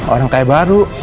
orang kaya baru